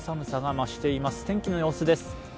天気の様子です。